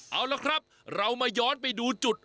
เอาละครับเรามาย้อนไปดูจุด